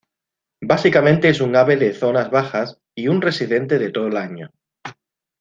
Básicamente es un ave de zonas bajas, y un residente de todo el año.